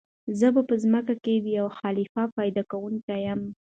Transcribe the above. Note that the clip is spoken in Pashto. "زه په ځمكه كښي د يو خليفه پيدا كوونكى يم!"